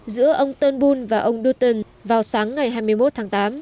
giữa ông turnbull và ông dutton vào sáng ngày hai mươi một tháng tám